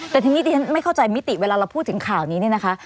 แต่ทีนี้ดิฉันไม่เข้าใจมิติเวลาเราพูดถึงข่าวนี้เนี่ยนะคะ